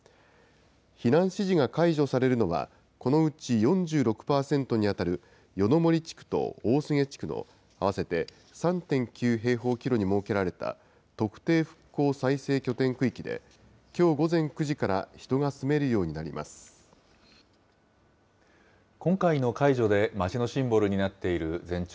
避難指示が解除されるのは、このうち４６％に当たる夜の森地区と大菅地区の合わせて３．９平方キロに設けられた特定復興再生拠点区域で、きょう午前９時から今回の解除で、町のシンボルになっている全長